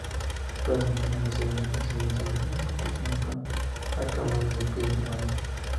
Predominan las segundas residencias en edificaciones con acabados de piedra y madera.